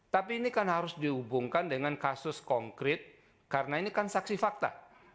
tapi ini kan harus dihubungkan dengan kasus konkret karena ini kan saksi fakta